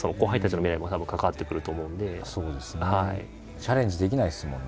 チャレンジできないですもんね。